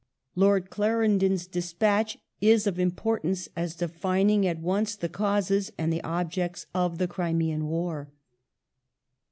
^ Lord Clarendon's despatch is of importance as defining at once the causes and the objects of the Crimean War.